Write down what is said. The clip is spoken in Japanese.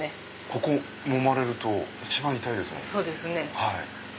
ここもまれると一番痛いですもん。